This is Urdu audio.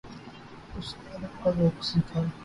اس نے ادب کا ذوق سیکھا